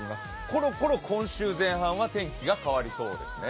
コロコロ今週前半は天気が変わりそうですね。